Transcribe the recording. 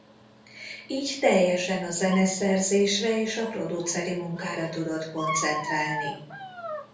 Így teljesen a zeneszerzésre és a produceri munkára tudott koncentrálni.